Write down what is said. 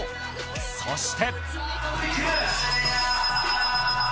そして。